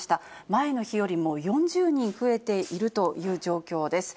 前の日よりも４０人増えているという状況です。